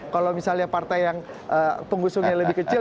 kalau misalnya partai yang pengusungnya lebih kecil